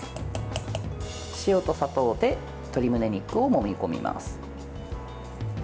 塩と砂糖で鶏むね肉を、もみ込みます。